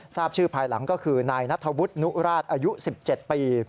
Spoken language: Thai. ทราบชื่อภายหลังก็คือนายนัทธวุฒินุราชอายุ๑๗ปี